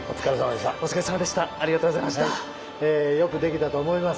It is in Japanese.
よくできたと思います